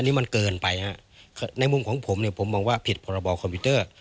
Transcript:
นี่มันเกินไปฮะในมุมของผมเนี่ยผมมองว่าผิดพรบคอมพิวเตอร์